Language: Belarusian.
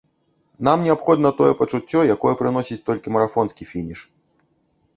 Нам неабходна тое пачуццё, якое прыносіць толькі марафонскі фініш.